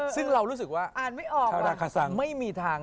ซึ่งเรารู้สึกว่า